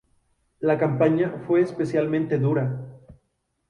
La campaña fue especialmente dura.